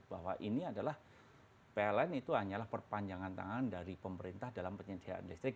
bahwa ini adalah pln itu hanyalah perpanjangan tangan dari pemerintah dalam penyediaan listrik